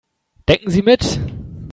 Denken Sie mit.